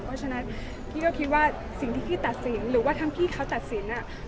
เพราะฉะนั้นพี่ก็คิดว่าสิ่งที่พี่ตัดสินหรือว่าทั้งพี่เขาตัดสิน